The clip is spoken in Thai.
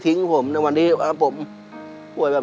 เปลี่ยนเพลงเพลงเก่งของคุณและข้ามผิดได้๑คำ